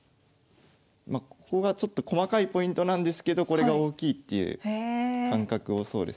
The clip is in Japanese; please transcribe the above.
まここがちょっと細かいポイントなんですけどこれが大きいっていう感覚をそうですね。